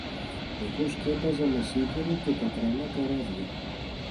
εγώ σκέπαζα με σίδερο και τα τρανά καράβια